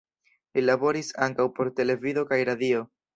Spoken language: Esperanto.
Li laboris ankaŭ por televido kaj radio.